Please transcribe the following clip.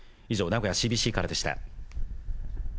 以上名古屋ＣＢＣからでした。